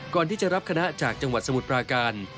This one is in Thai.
ก่อนที่จะรับคณะจากจังหวัดสมุทรปราการ